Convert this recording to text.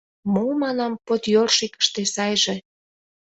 — Мо, манам, «подъёршикыште» сайже.